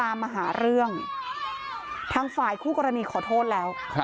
มาหาเรื่องทางฝ่ายคู่กรณีขอโทษแล้ว